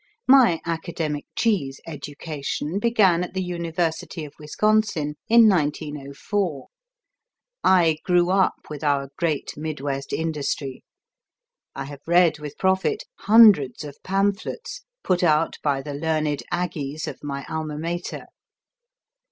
My academic cheese education began at the University of Wisconsin in 1904. I grew up with our great Midwest industry; I have read with profit hundreds of pamphlets put out by the learned Aggies of my Alma Mater.